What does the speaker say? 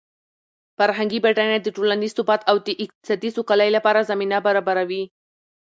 فرهنګي بډاینه د ټولنیز ثبات او د اقتصادي سوکالۍ لپاره زمینه برابروي.